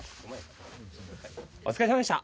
お疲れさまでした。